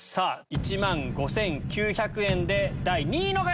１万５９００円で第２位の方！